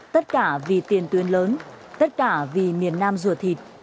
tất cả vì tiền tuyến lớn tất cả vì miền nam rùa thịt